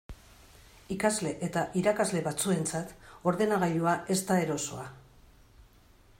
Ikasle eta irakasle batzuentzat ordenagailua ez da erosoa.